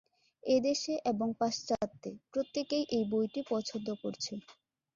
এদেশে এবং পাশ্চাত্যে প্রত্যেকেই এই বইটি পছন্দ করছে।